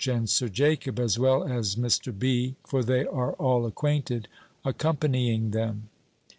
and Sir Jacob, as well as Mr. B. (for they are all acquainted) accompanying them.